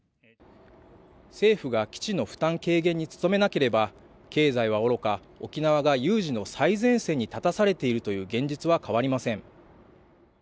政府が基地の負担軽減に努めなければ、経済はおろか、沖縄が有事の最前線に立たされているという現実は変わりません。